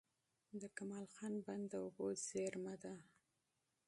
د کمال خان بند د اوبو زېرمه ده.